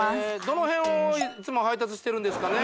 どの辺をいつも配達してるんですかね？